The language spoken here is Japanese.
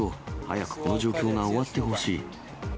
早くこの状況が終わってほしい。